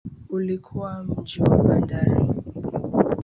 Ulikuwa mji wa bandari.